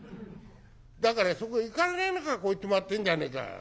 「だからそこへ行かれねえからここへ泊まってんじゃねえか。